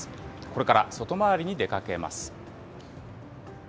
これから外回りに出かけます。